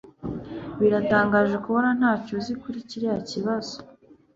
biratangaje kubona ntacyo uzi kuri kiriya kibazo